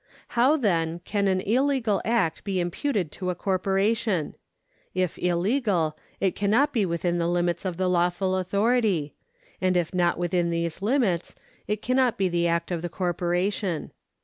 How, then, can an illegal act be imputed to a corporation ? If illegal, it cannot be within the limits of lawful authority ; and if not within these limits, it cannot be the act of the corporation.